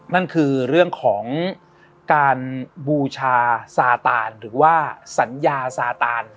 นั่นคือเรื่องของการบูชาซาตานหรือว่าสัญญาซาตาน